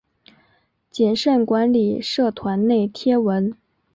谨慎管理社团内贴文